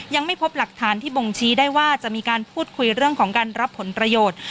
ยังไม่พบหลักฐานที่บ่งชี้ได้ว่าจะมีการพูดคุยเรื่องของการรับผลประโยชน์